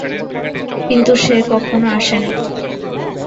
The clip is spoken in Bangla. কিন্তু সে কখনও আসে নাই।